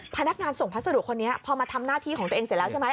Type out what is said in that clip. พนักงานส่งพัสดุคนนี้พอมาทำหน้าที่ของตัวเองเสร็จแล้วใช่ไหม